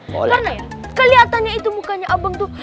karena ya keliatannya itu mukanya abang tuh